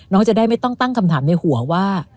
จะได้ไม่ต้องตั้งคำถามในหัวว่า